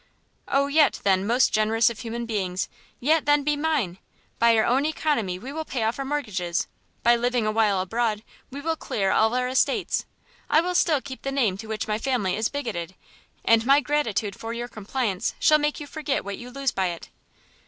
"Oh yet, then, most generous of human beings, yet then be mine! By our own oeconomy we will pay off our mortgages; by living a while abroad, we will clear all our estates; I will still keep the name to which my family is bigotted, and my gratitude for your compliance shall make you forget what you lose by it!"